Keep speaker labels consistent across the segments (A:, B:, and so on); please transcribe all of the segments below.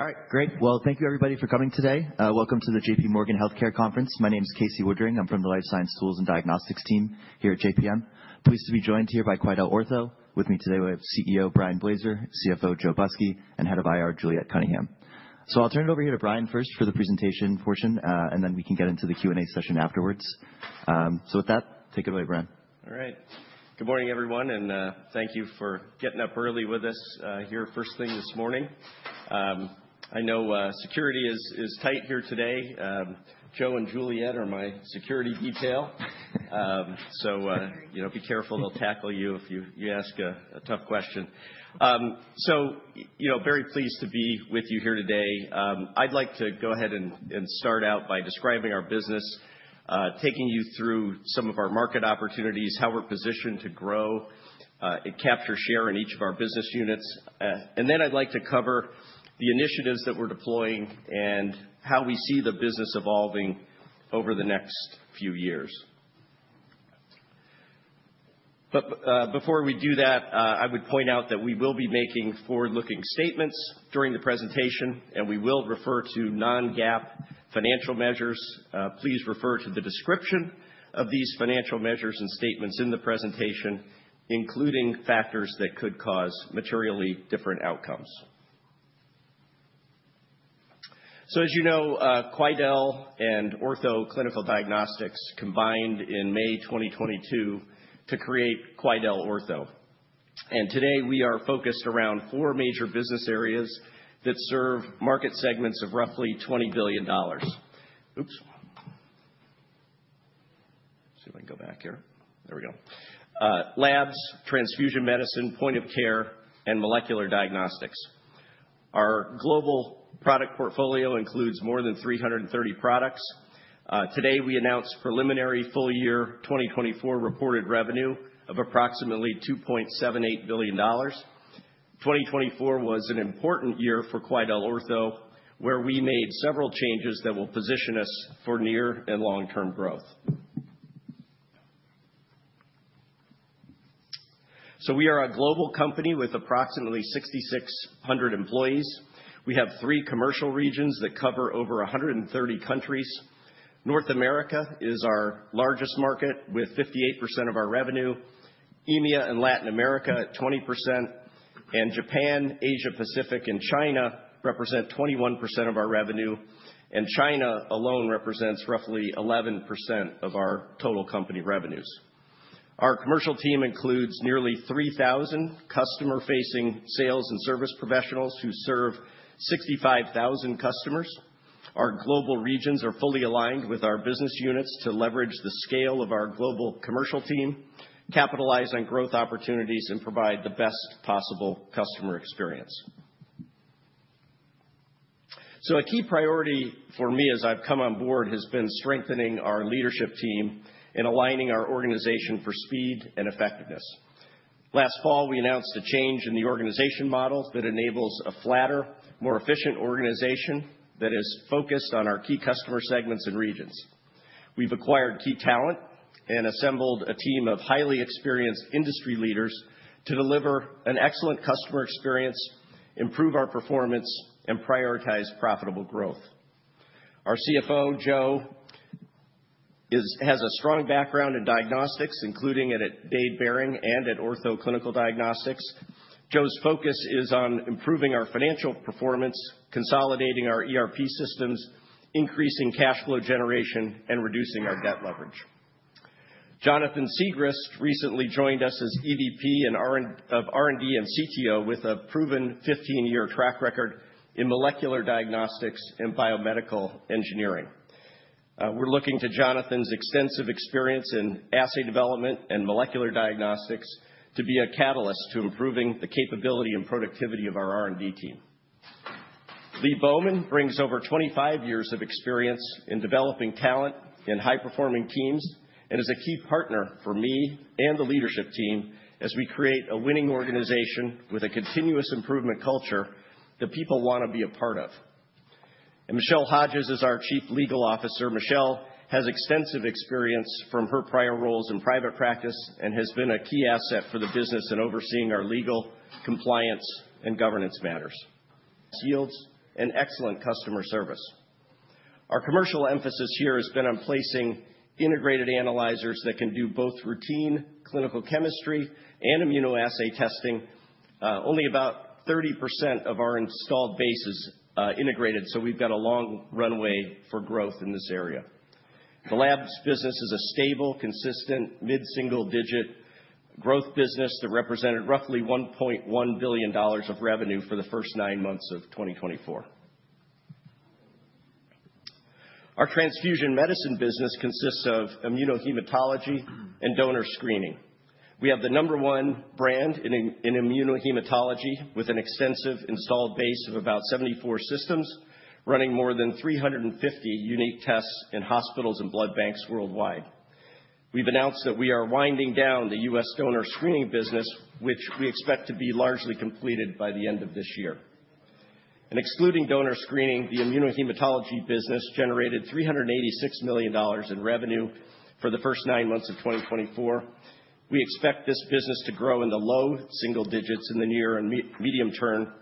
A: All right, great. Well, thank you, everybody, for coming today. Welcome to the J.P. Morgan Healthcare Conference. My name is Casey Woodring. I'm from the Life Science Tools and Diagnostics team here at JPM. Pleased to be joined here by QuidelOrtho. With me today, we have CEO Brian Blaser, CFO Joe Busky, and Head of IR Juliet Cunningham. So I'll turn it over here to Brian first for the presentation portion, and then we can get into the Q&A session afterwards. So with that, take it away, Brian.
B: All right. Good morning, everyone, and thank you for getting up early with us here first thing this morning. I know security is tight here today. Joe and Juliet are my security detail. So be careful. They'll tackle you if you ask a tough question. So very pleased to be with you here today. I'd like to go ahead and start out by describing our business, taking you through some of our market opportunities, how we're positioned to grow, and capture share in each of our business units. And then I'd like to cover the initiatives that we're deploying and how we see the business evolving over the next few years. But before we do that, I would point out that we will be making forward-looking statements during the presentation, and we will refer to non-GAAP financial measures. Please refer to the description of these financial measures and statements in the presentation, including factors that could cause materially different outcomes, so as you know, Quidel and Ortho Clinical Diagnostics combined in May 2022 to create QuidelOrtho, and today, we are focused around four major business areas that serve market segments of roughly $20 billion. Oops. See if I can go back here. There we go. Labs, transfusion medicine, point of care, and molecular diagnostics. Our global product portfolio includes more than 330 products. Today, we announced preliminary full-year 2024 reported revenue of approximately $2.78 billion. 2024 was an important year for QuidelOrtho, where we made several changes that will position us for near and long-term growth, so we are a global company with approximately 6,600 employees. We have three commercial regions that cover over 130 countries. North America is our largest market with 58% of our revenue. EMEA and Latin America at 20%, and Japan, Asia-Pacific, and China represent 21% of our revenue, and China alone represents roughly 11% of our total company revenues. Our commercial team includes nearly 3,000 customer-facing sales and service professionals who serve 65,000 customers. Our global regions are fully aligned with our business units to leverage the scale of our global commercial team, capitalize on growth opportunities, and provide the best possible customer experience, so a key priority for me as I've come on board has been strengthening our leadership team and aligning our organization for speed and effectiveness. Last fall, we announced a change in the organization model that enables a flatter, more efficient organization that is focused on our key customer segments and regions. We've acquired key talent and assembled a team of highly experienced industry leaders to deliver an excellent customer experience, improve our performance, and prioritize profitable growth. Our CFO, Joe, has a strong background in diagnostics, including at Dade Behring and at Ortho Clinical Diagnostics. Joe's focus is on improving our financial performance, consolidating our ERP systems, increasing cash flow generation, and reducing our debt leverage. Jonathan Siegrist recently joined us as EVP of R&D and CTO with a proven 15-year track record in molecular diagnostics and biomedical engineering. We're looking to Jonathan's extensive experience in assay development and molecular diagnostics to be a catalyst to improving the capability and productivity of our R&D team. Lee Bowman brings over 25 years of experience in developing talent in high-performing teams and is a key partner for me and the leadership team as we create a winning organization with a continuous improvement culture that people want to be a part of, and Michelle Hodges is our Chief Legal Officer. Michelle has extensive experience from her prior roles in private practice and has been a key asset for the business in overseeing our legal, compliance, and governance matters. Yields and excellent customer service. Our commercial emphasis here has been on placing integrated analyzers that can do both routine clinical chemistry and immunoassay testing. Only about 30% of our installed base is integrated, so we've got a long runway for growth in this area. The labs business is a stable, consistent, mid-single-digit growth business that represented roughly $1.1 billion of revenue for the first nine months of 2024. Our transfusion medicine business consists of immunohematology and donor screening. We have the number one brand in immunohematology with an extensive installed base of about 74 systems, running more than 350 unique tests in hospitals and blood banks worldwide. We've announced that we are winding down the U.S. Donor Screening business, which we expect to be largely completed by the end of this year. Excluding Donor Screening, the Immunohematology business generated $386 million in revenue for the first nine months of 2024. We expect this business to grow in the low single digits in the near and medium term,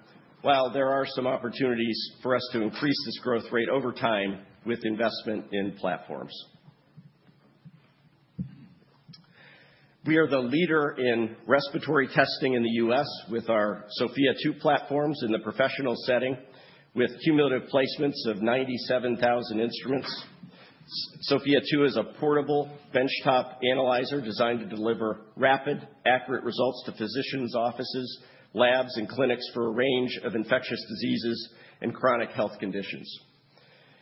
B: while there are some opportunities for us to increase this growth rate over time with investment in platforms. We are the leader in respiratory testing in the U.S. with our Sofia 2 platforms in the professional setting, with cumulative placements of 97,000 instruments. Sofia 2 is a portable benchtop analyzer designed to deliver rapid, accurate results to physicians' offices, labs, and clinics for a range of infectious diseases and chronic health conditions.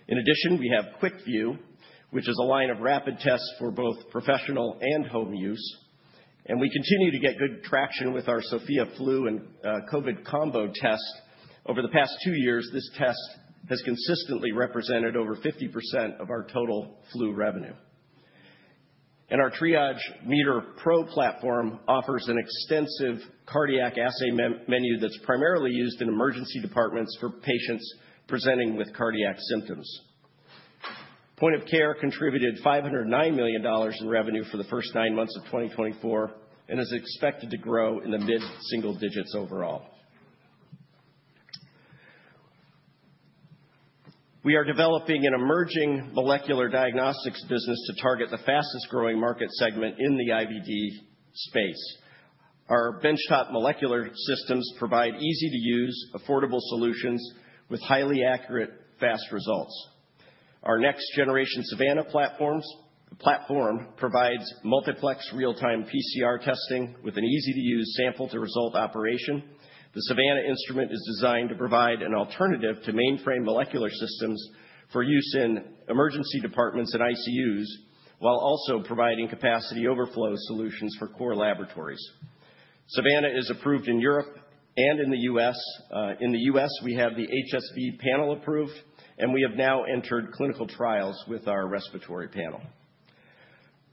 B: In addition, we have QuickVue, which is a line of rapid tests for both professional and home use. We continue to get good traction with our Sofia Flu and COVID combo test. Over the past two years, this test has consistently represented over 50% of our total flu revenue. Our Triage MeterPro platform offers an extensive cardiac assay menu that's primarily used in emergency departments for patients presenting with cardiac symptoms. Point of Care contributed $509 million in revenue for the first nine months of 2024 and is expected to grow in the mid-single digits overall. We are developing an emerging molecular diagnostics business to target the fastest-growing market segment in the IVD space. Our benchtop molecular systems provide easy-to-use, affordable solutions with highly accurate, fast results. Our next-generation Savanna platform provides multiplex real-time PCR testing with an easy-to-use sample-to-result operation. The Savanna instrument is designed to provide an alternative to mainframe molecular systems for use in emergency departments and ICUs, while also providing capacity overflow solutions for core laboratories. Savanna is approved in Europe and in the U.S. In the U.S., we have the HSV panel approved, and we have now entered clinical trials with our respiratory panel.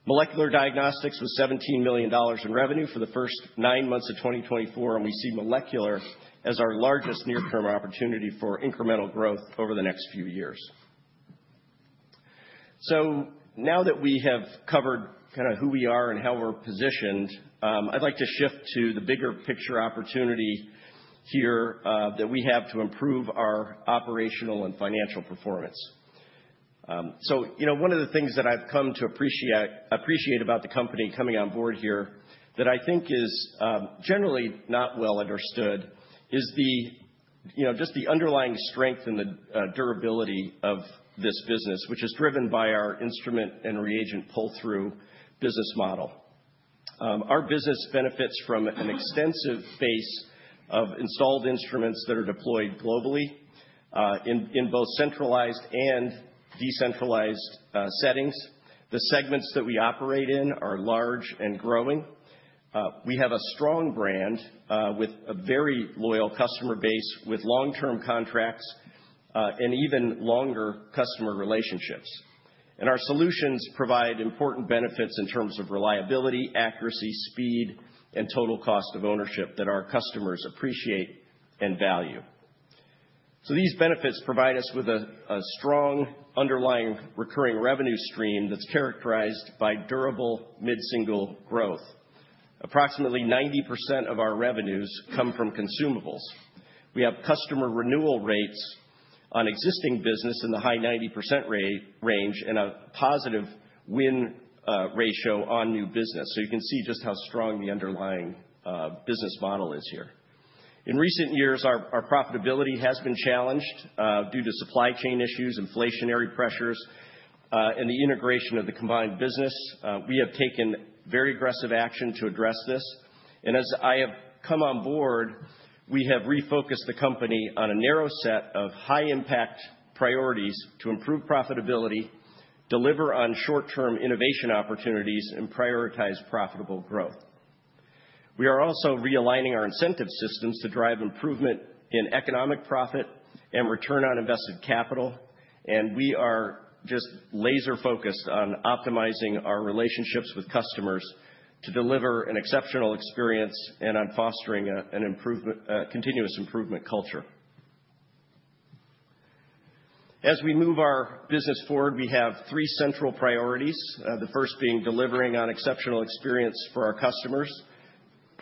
B: Molecular diagnostics was $17 million in revenue for the first nine months of 2024, and we see molecular as our largest near-term opportunity for incremental growth over the next few years. So now that we have covered kind of who we are and how we're positioned, I'd like to shift to the bigger picture opportunity here that we have to improve our operational and financial performance. One of the things that I've come to appreciate about the company coming on board here that I think is generally not well understood is just the underlying strength and the durability of this business, which is driven by our instrument and reagent pull-through business model. Our business benefits from an extensive base of installed instruments that are deployed globally in both centralized and decentralized settings. The segments that we operate in are large and growing. We have a strong brand with a very loyal customer base, with long-term contracts and even longer customer relationships. Our solutions provide important benefits in terms of reliability, accuracy, speed, and total cost of ownership that our customers appreciate and value. These benefits provide us with a strong underlying recurring revenue stream that's characterized by durable mid-single growth. Approximately 90% of our revenues come from consumables. We have customer renewal rates on existing business in the high 90% range and a positive win ratio on new business. So you can see just how strong the underlying business model is here. In recent years, our profitability has been challenged due to supply chain issues, inflationary pressures, and the integration of the combined business. We have taken very aggressive action to address this. And as I have come on board, we have refocused the company on a narrow set of high-impact priorities to improve profitability, deliver on short-term innovation opportunities, and prioritize profitable growth. We are also realigning our incentive systems to drive improvement in economic profit and return on invested capital. And we are just laser-focused on optimizing our relationships with customers to deliver an exceptional experience and on fostering a continuous improvement culture. As we move our business forward, we have three central priorities, the first being delivering on exceptional experience for our customers,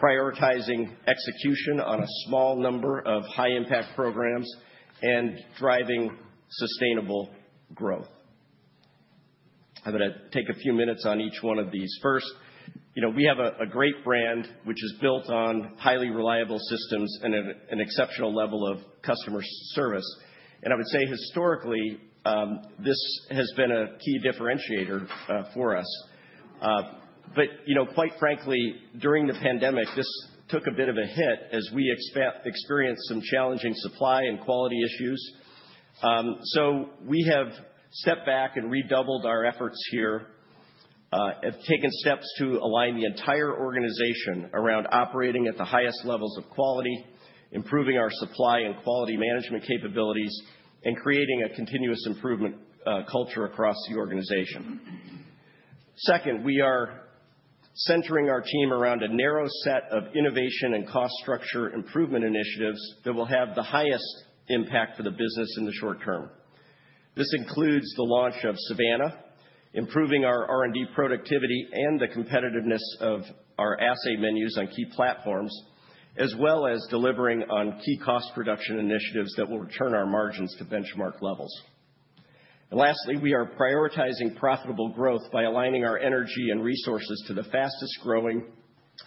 B: prioritizing execution on a small number of high-impact programs, and driving sustainable growth. I'm going to take a few minutes on each one of these. First, we have a great brand, which is built on highly reliable systems and an exceptional level of customer service. And I would say historically, this has been a key differentiator for us. But quite frankly, during the pandemic, this took a bit of a hit as we experienced some challenging supply and quality issues. So we have stepped back and redoubled our efforts here, have taken steps to align the entire organization around operating at the highest levels of quality, improving our supply and quality management capabilities, and creating a continuous improvement culture across the organization. Second, we are centering our team around a narrow set of innovation and cost structure improvement initiatives that will have the highest impact for the business in the short term. This includes the launch of Savanna, improving our R&D productivity and the competitiveness of our assay menus on key platforms, as well as delivering on key cost reduction initiatives that will return our margins to benchmark levels. And lastly, we are prioritizing profitable growth by aligning our energy and resources to the fastest-growing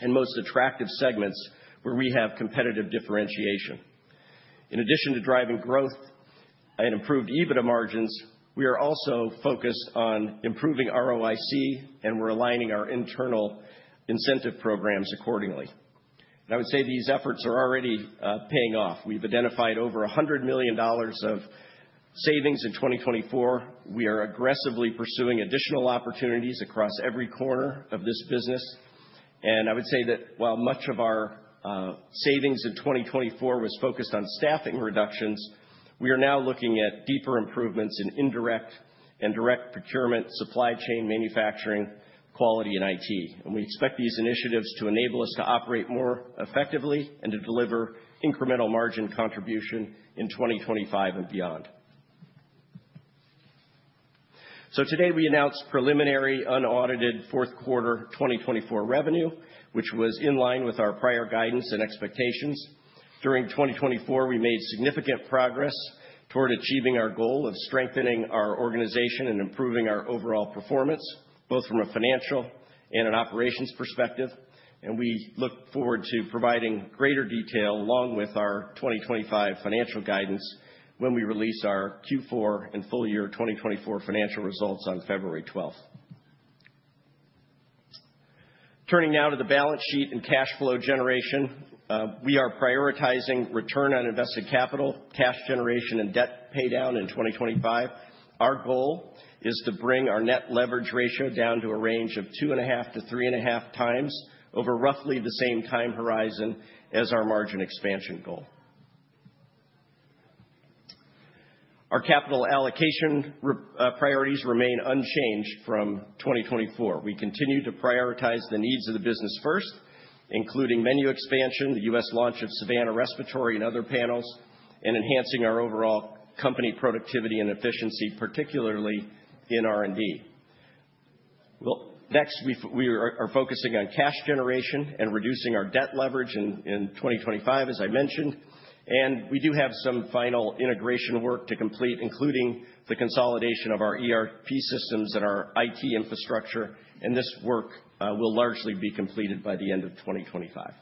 B: and most attractive segments where we have competitive differentiation. In addition to driving growth and improved EBITDA margins, we are also focused on improving ROIC and we're aligning our internal incentive programs accordingly. And I would say these efforts are already paying off. We've identified over $100 million of savings in 2024. We are aggressively pursuing additional opportunities across every corner of this business. And I would say that while much of our savings in 2024 was focused on staffing reductions, we are now looking at deeper improvements in indirect and direct procurement, supply chain, manufacturing, quality, and IT. And we expect these initiatives to enable us to operate more effectively and to deliver incremental margin contribution in 2025 and beyond. So today, we announced preliminary unaudited fourth quarter 2024 revenue, which was in line with our prior guidance and expectations. During 2024, we made significant progress toward achieving our goal of strengthening our organization and improving our overall performance, both from a financial and an operations perspective. And we look forward to providing greater detail along with our 2025 financial guidance when we release our Q4 and full year 2024 financial results on February 12th. Turning now to the balance sheet and cash flow generation, we are prioritizing return on invested capital, cash generation, and debt paydown in 2025. Our goal is to bring our net leverage ratio down to a range of two and a half to three and a half times over roughly the same time horizon as our margin expansion goal. Our capital allocation priorities remain unchanged from 2024. We continue to prioritize the needs of the business first, including menu expansion, the U.S. launch of Savanna Respiratory and other panels, and enhancing our overall company productivity and efficiency, particularly in R&D. Next, we are focusing on cash generation and reducing our debt leverage in 2025, as I mentioned, and we do have some final integration work to complete, including the consolidation of our ERP systems and our IT infrastructure, and this work will largely be completed by the end of 2025.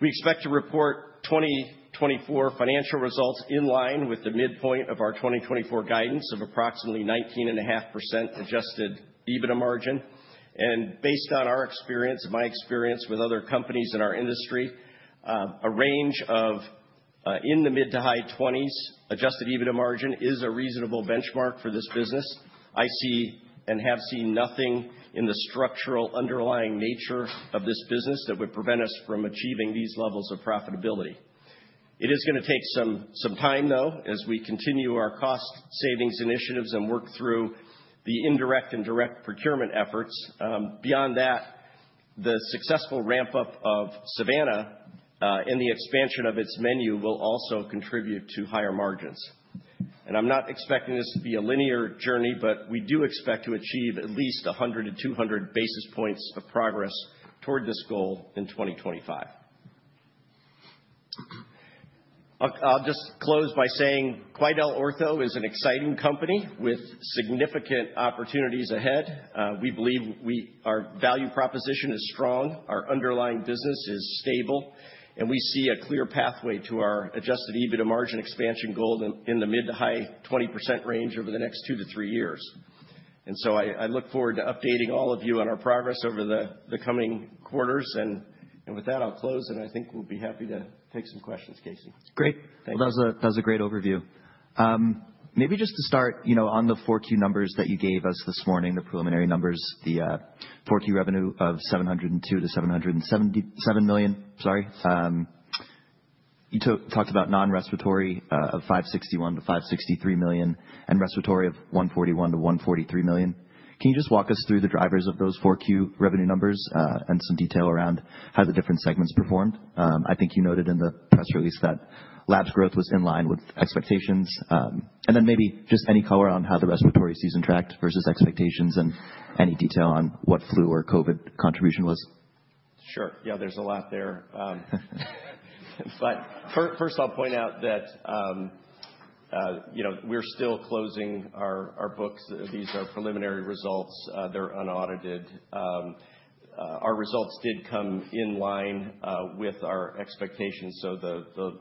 B: We expect to report 2024 financial results in line with the midpoint of our 2024 guidance of approximately 19.5% adjusted EBITDA margin, and based on our experience and my experience with other companies in our industry, a range of in the mid to high 20s adjusted EBITDA margin is a reasonable benchmark for this business. I see and have seen nothing in the structural underlying nature of this business that would prevent us from achieving these levels of profitability. It is going to take some time, though, as we continue our cost savings initiatives and work through the indirect and direct procurement efforts. Beyond that, the successful ramp-up of Savanna and the expansion of its menu will also contribute to higher margins. I'm not expecting this to be a linear journey, but we do expect to achieve at least 100 to 200 basis points of progress toward this goal in 2025. I'll just close by saying QuidelOrtho, which is an exciting company with significant opportunities ahead. We believe our value proposition is strong, our underlying business is stable, and we see a clear pathway to our adjusted EBITDA margin expansion goal in the mid- to high-20% range over the next two to three years. And so I look forward to updating all of you on our progress over the coming quarters. And with that, I'll close, and I think we'll be happy to take some questions, Casey.
A: Great. That was a great overview. Maybe just to start on the 4Q numbers that you gave us this morning, the preliminary numbers, the 4Q revenue of $702-$707 million. Sorry. You talked about non-respiratory of $561 million-$563 million and respiratory of $141 million-$143 million. Can you just walk us through the drivers of those 4Q revenue numbers and some detail around how the different segments performed? I think you noted in the press release that Labs growth was in line with expectations, and then maybe just any color on how the respiratory season tracked versus expectations and any detail on what flu or COVID contribution was.
B: Sure. Yeah, there's a lot there. But first, I'll point out that we're still closing our books. These are preliminary results. They're unaudited. Our results did come in line with our expectations. So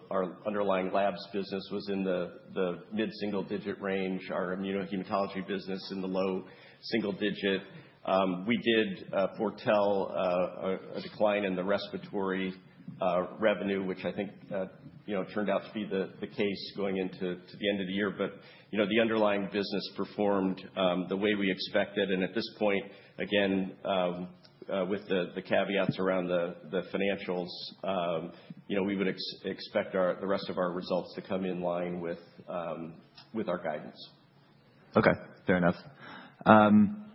B: our underlying Labs business was in the mid-single digit range. Our Immunohematology business in the low single digit. We did foretell a decline in the respiratory revenue, which I think turned out to be the case going into the end of the year, but the underlying business performed the way we expected, and at this point, again, with the caveats around the financials, we would expect the rest of our results to come in line with our guidance.
A: Okay. Fair enough.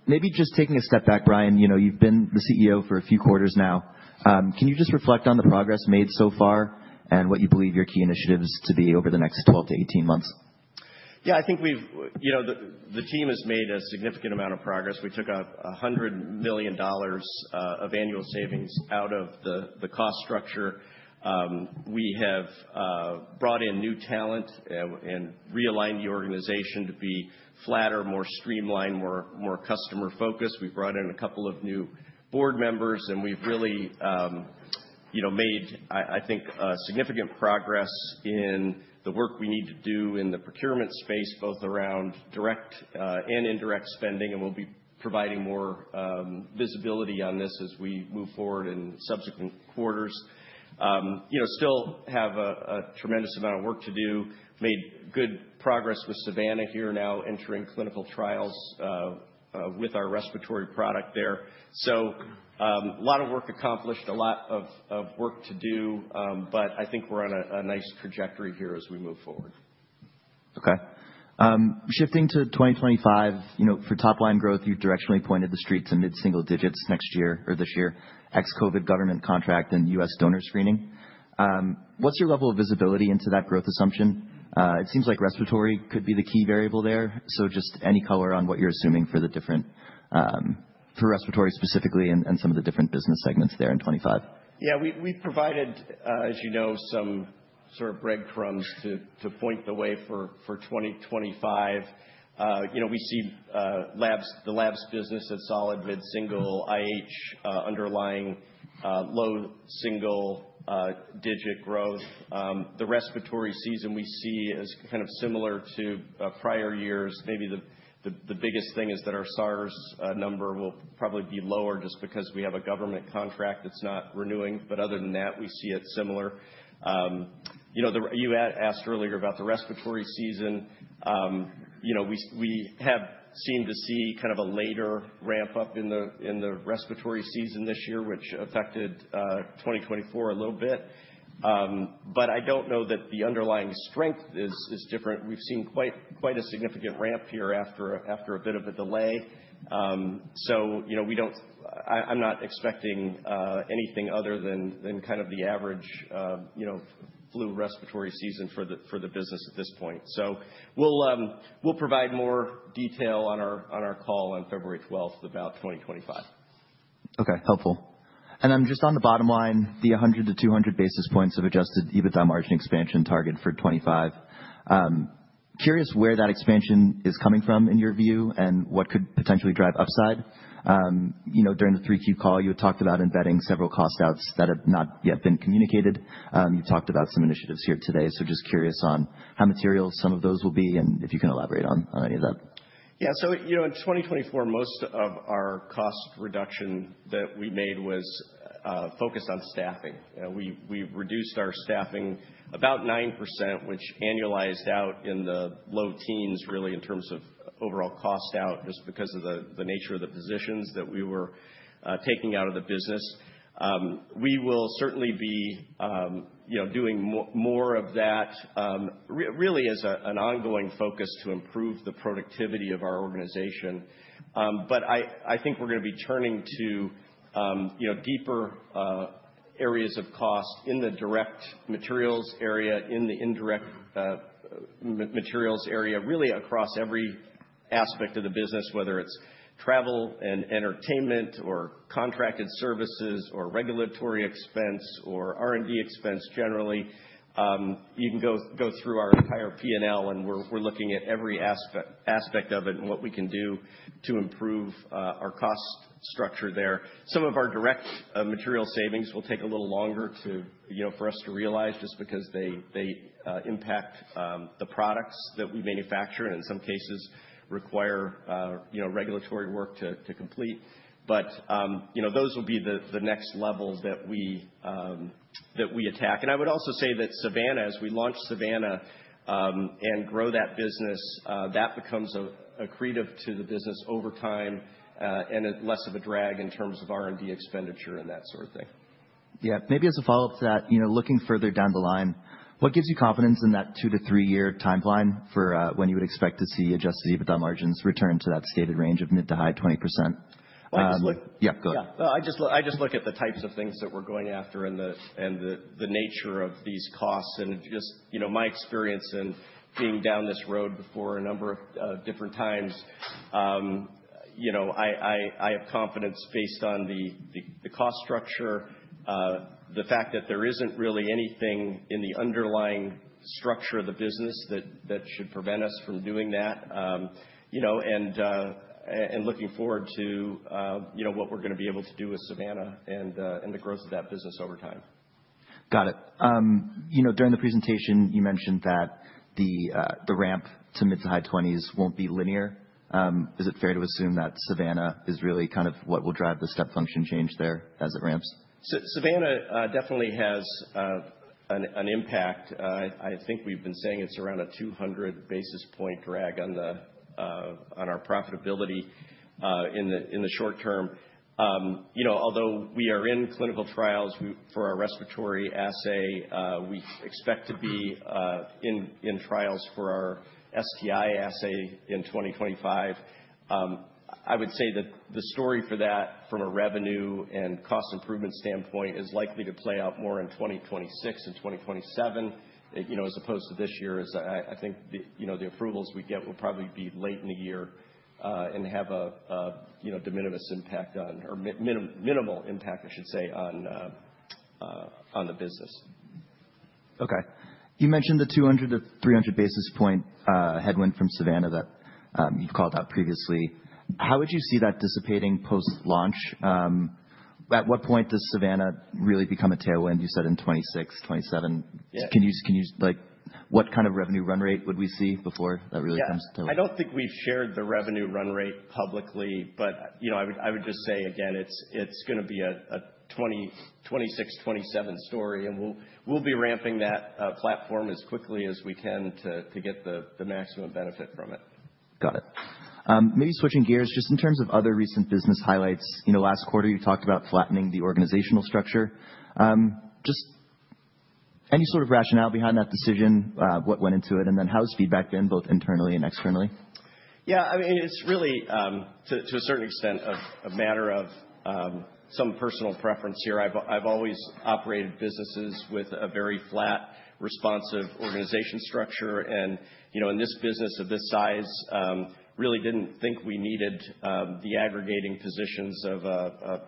A: Maybe just taking a step back, Brian, you've been the CEO for a few quarters now. Can you just reflect on the progress made so far and what you believe your key initiatives to be over the next 12-18 months?
B: Yeah, I think the team has made a significant amount of progress. We took $100 million of annual savings out of the cost structure. We have brought in new talent and realigned the organization to be flatter, more streamlined, more customer-focused. We've brought in a couple of new board members, and we've really made, I think, significant progress in the work we need to do in the procurement space, both around direct and indirect spending. And we'll be providing more visibility on this as we move forward in subsequent quarters. Still have a tremendous amount of work to do. Made good progress with Savanna here, now entering clinical trials with our respiratory product there. So a lot of work accomplished, a lot of work to do, but I think we're on a nice trajectory here as we move forward.
A: Okay. Shifting to 2025, for top-line growth, you've directionally pointed the street to mid-single digits next year or this year, ex-COVID government contract and U.S. donor screening. What's your level of visibility into that growth assumption? It seems like respiratory could be the key variable there. So just any color on what you're assuming for respiratory specifically and some of the different business segments there in 2025?
B: Yeah, we've provided, as you know, some sort of breadcrumbs to point the way for 2025. We see the labs business at solid, mid-single, IH underlying, low single-digit growth. The respiratory season we see is kind of similar to prior years. Maybe the biggest thing is that our SARS number will probably be lower just because we have a government contract that's not renewing. But other than that, we see it similar. You asked earlier about the respiratory season. We have seemed to see kind of a later ramp-up in the respiratory season this year, which affected 2024 a little bit. But I don't know that the underlying strength is different. We've seen quite a significant ramp here after a bit of a delay. So I'm not expecting anything other than kind of the average flu respiratory season for the business at this point. So we'll provide more detail on our call on February 12th about 2025.
A: Okay. Helpful. And then just on the bottom line, the 100-200 basis points of adjusted EBITDA margin expansion target for 25. Curious where that expansion is coming from in your view and what could potentially drive upside. During the 3Q call, you had talked about embedding several cost outs that have not yet been communicated. You've talked about some initiatives here today. So just curious on how material some of those will be and if you can elaborate on any of that.
B: Yeah. So in 2024, most of our cost reduction that we made was focused on staffing. We reduced our staffing about 9%, which annualized out in the low teens, really, in terms of overall cost out just because of the nature of the positions that we were taking out of the business. We will certainly be doing more of that, really, as an ongoing focus to improve the productivity of our organization. But I think we're going to be turning to deeper areas of cost in the direct materials area, in the indirect materials area, really across every aspect of the business, whether it's travel and entertainment or contracted services or regulatory expense or R&D expense generally. You can go through our entire P&L, and we're looking at every aspect of it and what we can do to improve our cost structure there. Some of our direct material savings will take a little longer for us to realize just because they impact the products that we manufacture and in some cases require regulatory work to complete, but those will be the next level that we attack, and I would also say that Savanna, as we launch Savanna and grow that business, that becomes accretive to the business over time and less of a drag in terms of R&D expenditure and that sort of thing.
A: Yeah. Maybe as a follow-up to that, looking further down the line, what gives you confidence in that two- to three-year timeline for when you would expect to see adjusted EBITDA margins return to that stated range of mid- to high-20%? Yeah, go ahead.
B: Yeah. I just look at the types of things that we're going after and the nature of these costs. Just my experience in being down this road before a number of different times, I have confidence based on the cost structure, the fact that there isn't really anything in the underlying structure of the business that should prevent us from doing that, and looking forward to what we're going to be able to do with Savanna and the growth of that business over time.
A: Got it. During the presentation, you mentioned that the ramp to mid to high 20s won't be linear. Is it fair to assume that Savanna is really kind of what will drive the step function change there as it ramps?
B: Savanna definitely has an impact. I think we've been saying it's around a 200 basis point drag on our profitability in the short term. Although we are in clinical trials for our respiratory assay, we expect to be in trials for our STI assay in 2025. I would say that the story for that, from a revenue and cost improvement standpoint, is likely to play out more in 2026 and 2027 as opposed to this year. I think the approvals we get will probably be late in the year and have a de minimis impact on, or minimal impact, I should say, on the business.
A: Okay. You mentioned the 200-300 basis point headwind from Savanna that you've called out previously. How would you see that dissipating post-launch? At what point does Savanna really become a tailwind? You said in 2026, 2027. What kind of revenue run rate would we see before that really comes to?
B: Yeah. I don't think we've shared the revenue run rate publicly, but I would just say, again, it's going to be a 26, 27 story, and we'll be ramping that platform as quickly as we can to get the maximum benefit from it.
A: Got it. Maybe switching gears, just in terms of other recent business highlights, last quarter, you talked about flattening the organizational structure. Just any sort of rationale behind that decision, what went into it, and then how has feedback been both internally and externally?
B: Yeah. I mean, it's really, to a certain extent, a matter of some personal preference here. I've always operated businesses with a very flat, responsive organization structure, and in this business of this size, really didn't think we needed the aggregating positions of a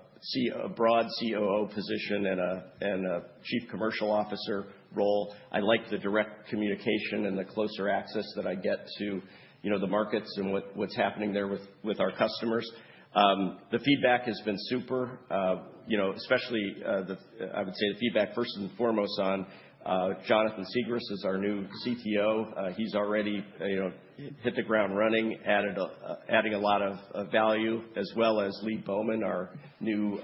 B: broad COO position and a Chief Commercial Officer role. I like the direct communication and the closer access that I get to the markets and what's happening there with our customers. The feedback has been super, especially. I would say the feedback first and foremost on Jonathan Siegrist is our new CTO. He's already hit the ground running, adding a lot of value, as well as Lee Bowman, our new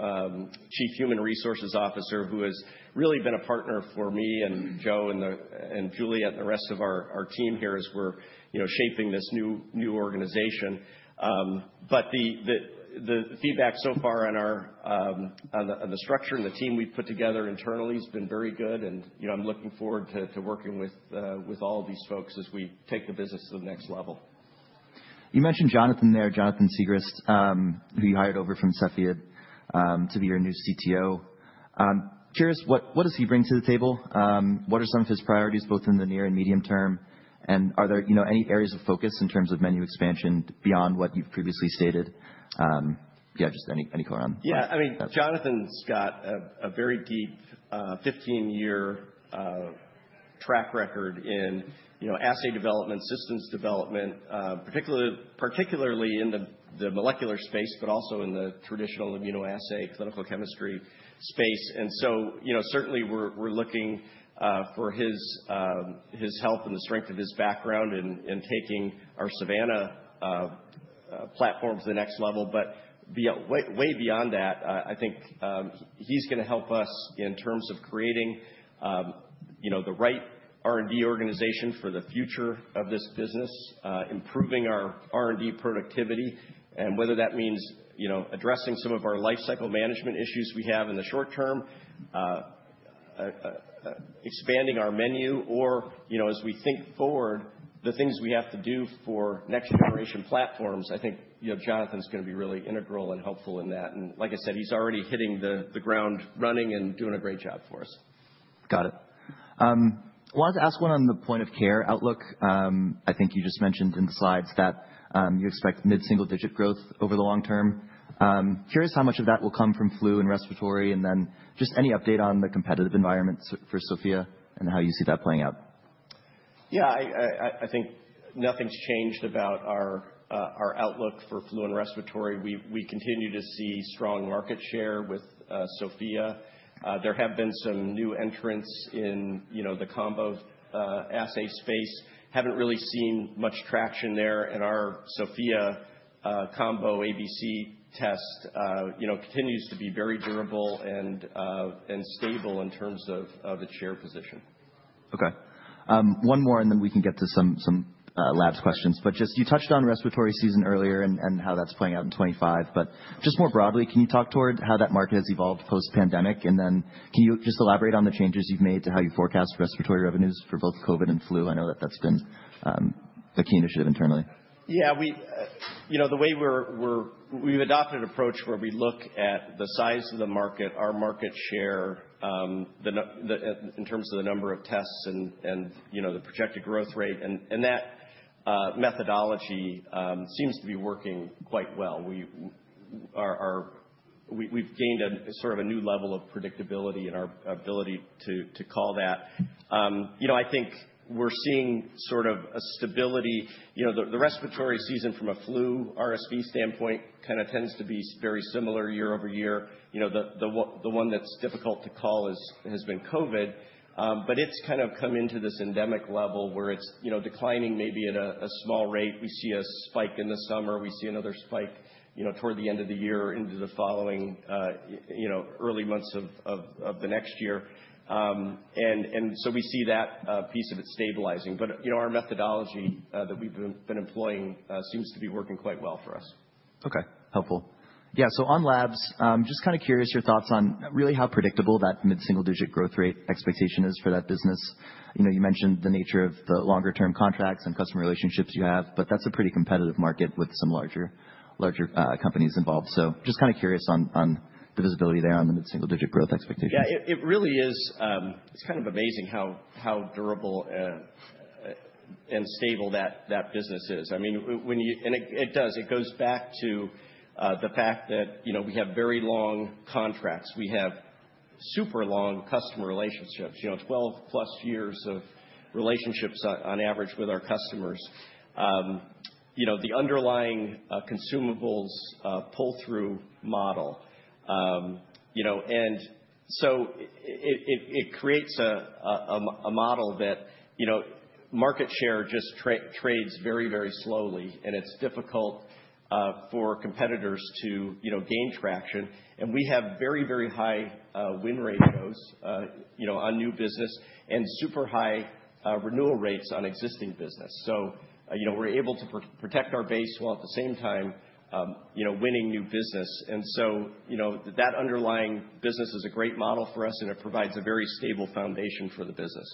B: Chief Human Resources Officer, who has really been a partner for me and Joe and Juliet and the rest of our team here as we're shaping this new organization. But the feedback so far on the structure and the team we've put together internally has been very good, and I'm looking forward to working with all of these folks as we take the business to the next level.
A: You mentioned Jonathan there, Jonathan Siegrist, who you hired over from Cepheid to be your new CTO. Curious, what does he bring to the table? What are some of his priorities both in the near and medium term? And are there any areas of focus in terms of menu expansion beyond what you've previously stated? Yeah, just any color on.
B: Yeah. I mean, Jonathan's got a very deep 15-year track record in assay development, systems development, particularly in the molecular space, but also in the traditional immunoassay clinical chemistry space. And so certainly, we're looking for his help and the strength of his background in taking our Savanna platform to the next level. But way beyond that, I think he's going to help us in terms of creating the right R&D organization for the future of this business, improving our R&D productivity, and whether that means addressing some of our life cycle management issues we have in the short term, expanding our menu, or as we think forward, the things we have to do for next-generation platforms. I think Jonathan's going to be really integral and helpful in that. And like I said, he's already hitting the ground running and doing a great job for us.
A: Got it. I wanted to ask one on the point of care outlook. I think you just mentioned in the slides that you expect mid-single-digit growth over the long term. Curious how much of that will come from flu and respiratory, and then just any update on the competitive environment for Sofia and how you see that playing out?
B: Yeah. I think nothing's changed about our outlook for flu and respiratory. We continue to see strong market share with Sofia. There have been some new entrants in the combo assay space. Haven't really seen much traction there. And our Sofia combo ABC test continues to be very durable and stable in terms of the share position.
A: Okay. One more, and then we can get to some labs questions. But you just touched on respiratory season earlier and how that's playing out in 2025. But just more broadly, can you talk about how that market has evolved post-pandemic? And then can you just elaborate on the changes you've made to how you forecast respiratory revenues for both COVID and flu? I know that that's been a key initiative internally.
B: Yeah. The way we've adopted an approach where we look at the size of the market, our market share in terms of the number of tests and the projected growth rate, and that methodology seems to be working quite well. We've gained sort of a new level of predictability in our ability to call that. I think we're seeing sort of a stability. The respiratory season from a flu RSV standpoint kind of tends to be very similar year-over-year. The one that's difficult to call has been COVID. But it's kind of come into this endemic level where it's declining maybe at a small rate. We see a spike in the summer. We see another spike toward the end of the year into the following early months of the next year. And so we see that piece of it stabilizing. But our methodology that we've been employing seems to be working quite well for us.
A: Okay. Helpful. Yeah. So on Labs, just kind of curious your thoughts on really how predictable that mid-single-digit growth rate expectation is for that business. You mentioned the nature of the longer-term contracts and customer relationships you have, but that's a pretty competitive market with some larger companies involved. So just kind of curious on the visibility there on the mid-single-digit growth expectations.
B: Yeah. It really is. It's kind of amazing how durable and stable that business is. I mean, it does. It goes back to the fact that we have very long contracts. We have super long customer relationships, 12-plus years of relationships on average with our customers. The underlying consumables pull-through model. It creates a model that market share just trades very, very slowly, and it's difficult for competitors to gain traction. We have very, very high win ratios on new business and super high renewal rates on existing business. We're able to protect our base while at the same time winning new business. That underlying business is a great model for us, and it provides a very stable foundation for the business.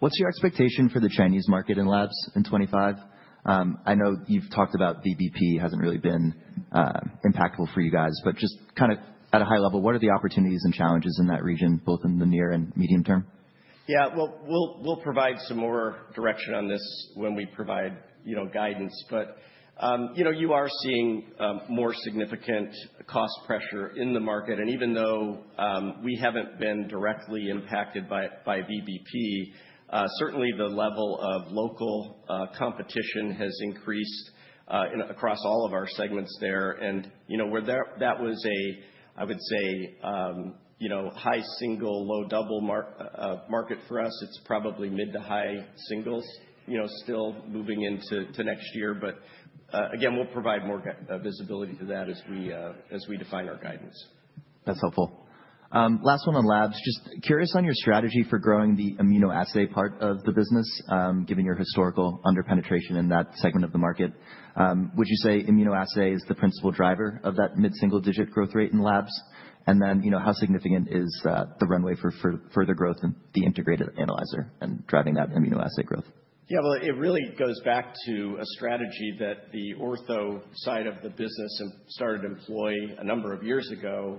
A: What's your expectation for the Chinese market in labs in 2025? I know you've talked about VBP hasn't really been impactful for you guys, but just kind of at a high level, what are the opportunities and challenges in that region, both in the near and medium term?
B: Yeah, well, we'll provide some more direction on this when we provide guidance. But you are seeing more significant cost pressure in the market. And even though we haven't been directly impacted by VBP, certainly the level of local competition has increased across all of our segments there. And that was a, I would say, high single, low double market for us. It's probably mid- to high-single-digit still moving into next year. But again, we'll provide more visibility to that as we define our guidance.
A: That's helpful. Last one on labs. Just curious on your strategy for growing the immunoassay part of the business, given your historical underpenetration in that segment of the market. Would you say immunoassay is the principal driver of that mid-single-digit growth rate in labs? And then how significant is the runway for further growth in the integrated analyzer and driving that immunoassay growth?
B: Yeah. It really goes back to a strategy that the Ortho side of the business started to employ a number of years ago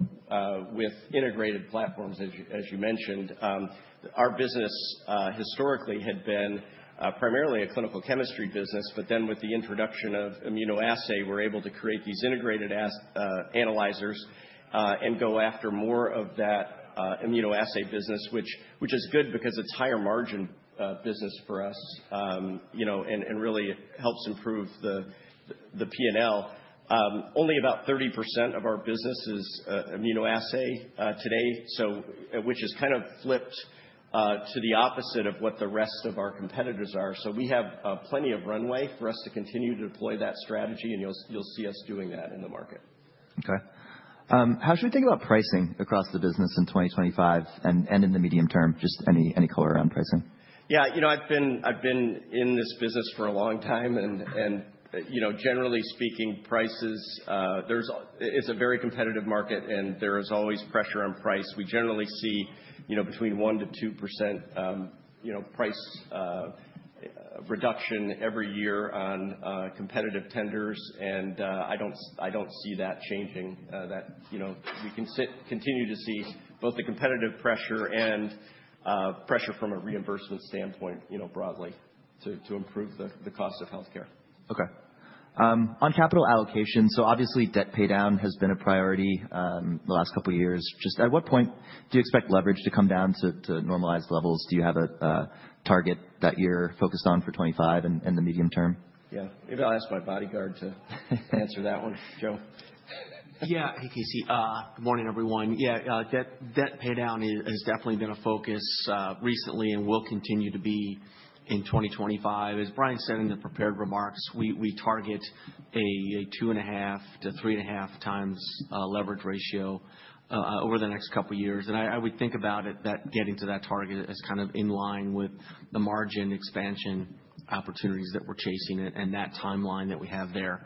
B: with integrated platforms, as you mentioned. Our business historically had been primarily a clinical chemistry business, but then with the introduction of immunoassay, we're able to create these integrated analyzers and go after more of that immunoassay business, which is good because it's higher margin business for us and really helps improve the P&L. Only about 30% of our business is immunoassay today, which has kind of flipped to the opposite of what the rest of our competitors are. So we have plenty of runway for us to continue to deploy that strategy, and you'll see us doing that in the market.
A: Okay. How should we think about pricing across the business in 2025 and in the medium term? Just any color around pricing.
B: Yeah. I've been in this business for a long time. And generally speaking, prices, it's a very competitive market, and there is always pressure on price. We generally see between 1%-2% price reduction every year on competitive tenders. And I don't see that changing, that we can continue to see both the competitive pressure and pressure from a reimbursement standpoint broadly to improve the cost of healthcare.
A: Okay. On capital allocation, so obviously debt pay down has been a priority the last couple of years. Just at what point do you expect leverage to come down to normalized levels? Do you have a target that you're focused on for 2025 and the medium term?
B: Yeah. Maybe I'll ask my bodyguard to answer that one, Joe.
C: Yeah. Hey, Casey. Good morning, everyone. Yeah. Debt pay down has definitely been a focus recently and will continue to be in 2025. As Brian said in the prepared remarks, we target a 2.5-3.5 times leverage ratio over the next couple of years, and I would think about it, that getting to that target as kind of in line with the margin expansion opportunities that we're chasing and that timeline that we have there.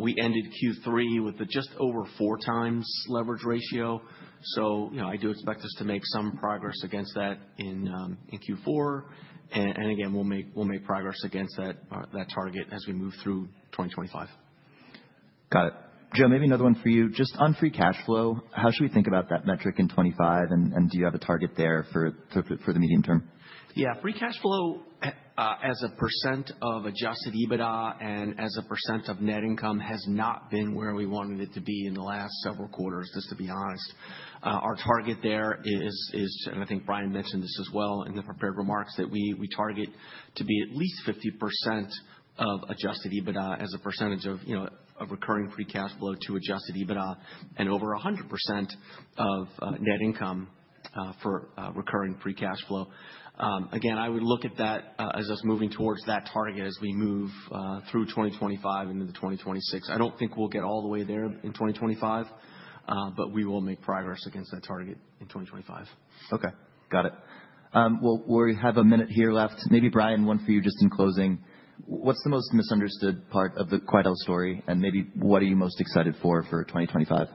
C: We ended Q3 with just over 4 times leverage ratio. So I do expect us to make some progress against that in Q4. And again, we'll make progress against that target as we move through 2025.
A: Got it. Joe, maybe another one for you. Just on free cash flow, how should we think about that metric in 2025? And do you have a target there for the medium term?
C: Yeah. Free cash flow as a percent of adjusted EBITDA and as a percent of net income has not been where we wanted it to be in the last several quarters, just to be honest. Our target there is, and I think Brian mentioned this as well in the prepared remarks, that we target to be at least 50% of adjusted EBITDA as a percent of recurring free cash flow to adjusted EBITDA and over 100% of net income for recurring free cash flow. Again, I would look at that as us moving towards that target as we move through 2025 into 2026. I don't think we'll get all the way there in 2025, but we will make progress against that target in 2025.
A: Okay. Got it. Well, we have a minute here left. Maybe Brian, one for you just in closing. What's the most misunderstood part of the Quidel story? And maybe what are you most excited for for 2025?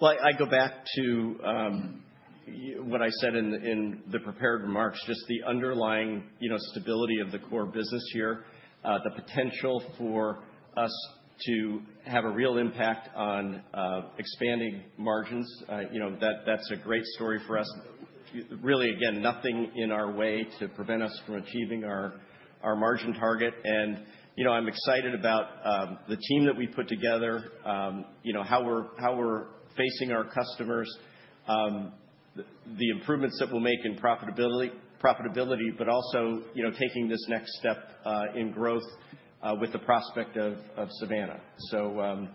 B: Well, I go back to what I said in the prepared remarks, just the underlying stability of the core business here, the potential for us to have a real impact on expanding margins. That's a great story for us. Really, again, nothing in our way to prevent us from achieving our margin target. And I'm excited about the team that we put together, how we're facing our customers, the improvements that we'll make in profitability, but also taking this next step in growth with the prospect of Savanna. So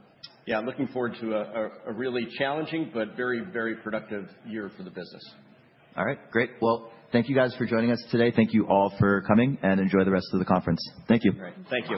B: yeah, looking forward to a really challenging but very, very productive year for the business.
A: All right. Great. Well, thank you guys for joining us today. Thank you all for coming, and enjoy the rest of the conference. Thank you.
C: All right.
B: Thank you.